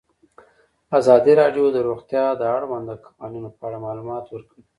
ازادي راډیو د روغتیا د اړونده قوانینو په اړه معلومات ورکړي.